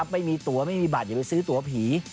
ไม่มีตัวไม่มีบัตรอย่าไปซื้อตัวผี